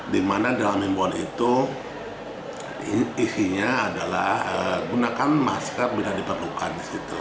di mana dalam imbuan itu isinya adalah gunakan masker bila diperlukan